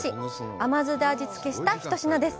甘酢で味付けした一品です！